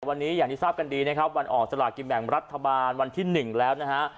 วันนี้อย่างที่ทราบกันดีนะครับวันออกสลากินแบ่งรัฐบาลวันที่๑แล้วนะฮะ